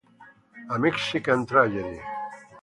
A Mexican Tragedy